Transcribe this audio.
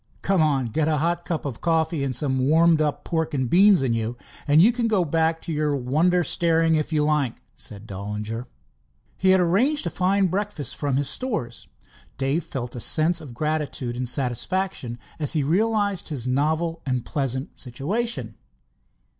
"Come on, get a hot cup of coffee and some warmed up pork and beans into you, and you can go back to your wonder staring, if you like," said Dollinger. He had arranged a fine breakfast from his stores. Dave felt a sense of gratitude and satisfaction as he realized his novel and pleasant situation.